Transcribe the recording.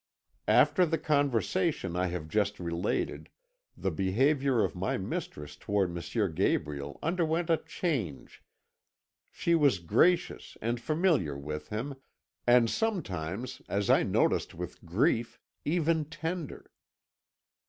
"After the conversation I have just related, the behaviour of my mistress toward M. Gabriel underwent a change; she was gracious and familiar with him, and sometimes, as I noticed with grief, even tender.